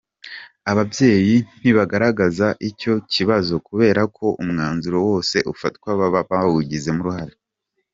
Ababyeyi ntibaragaragaza icyo kibazo kubera ko umwanzuro wose ufatwa baba bawugizemo uruhare.